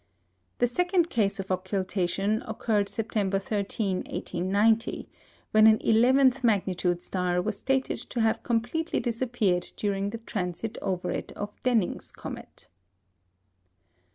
The second case of occultation occurred September 13, 1890, when an eleventh magnitude star was stated to have completely disappeared during the transit over it of Denning's comet.